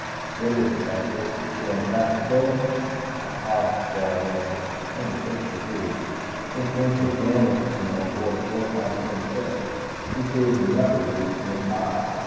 "What is it, buster? You on Crap Patrol?" I paused before I answered. Twenty fifth degree? Since when could a gambling casino afford a full time Twenty fifth? TK's in the upper degrees come high.